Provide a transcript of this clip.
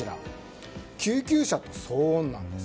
救急車と騒音なんです。